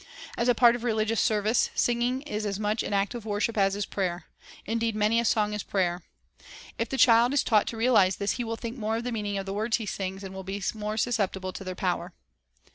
As a part of religious service, singing is as much an act of worship as is prayer. Indeed, many a song is prayer. If the child is taught to realize this, he will think more of the meaning of the words he sings, and will be more susceptible to their power.